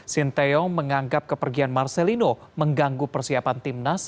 sinteyong menganggap kepergian marcelino mengganggu persiapan timnas